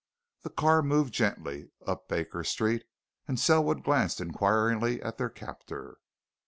The car moved gently up Baker Street, and Selwood glanced inquiringly at their captor.